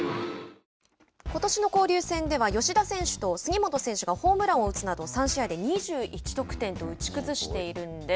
ことしの交流戦では吉田選手と杉本選手がホームランを打つなど３試合で２１得点と打ち崩しているんです。